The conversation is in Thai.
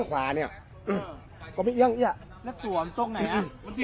ขวาเนี้ยก็ไม่เยี่ยมเนี้ย